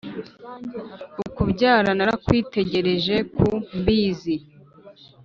ukubyara narakwitegereje ku mbizi.